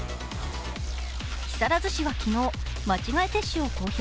木更津市は昨日、間違い接種を公表。